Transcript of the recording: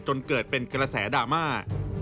จนเกิดเป็นกระแสดราม่า